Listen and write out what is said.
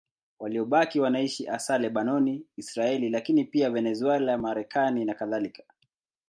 Waliobaki wanaishi hasa Lebanoni, Israeli, lakini pia Venezuela, Marekani nakadhalika.